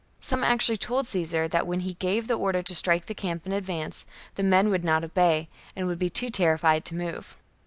Some actually told Caesar that when he gave the order to strike the camp and advance, the men would not obey, and would be too terrified to move.